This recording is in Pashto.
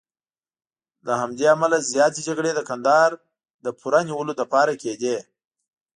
له همدې امله زیاتې جګړې د کندهار د پوره نیولو لپاره کېدې.